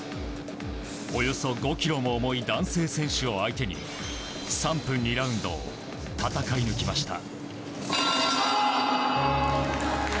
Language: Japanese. およそ５ｋｇも重い男性選手を相手に３分２ラウンドを戦い抜きました。